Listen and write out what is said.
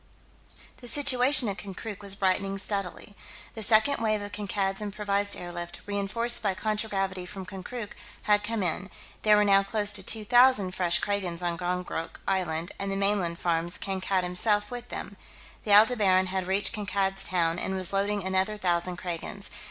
The situation at Konkrook was brightening steadily. The second wave of Kankad's improvised airlift, reenforced by contragravity from Konkrook, had come in; there were now close to two thousand fresh Kragans on Gongonk Island and the mainland farms, Kankad himself with them. The Aldebaran had reached Kankad's Town, and was loading another thousand Kragans....